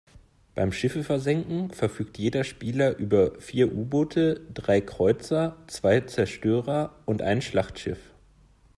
Beim Schiffe versenken verfügt jeder Spieler über vier U-Boote, drei Kreuzer, zwei Zerstörer und ein Schlachtschiff.